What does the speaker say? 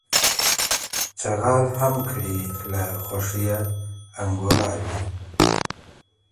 چغال هم کړې له خوښیه انګولاوي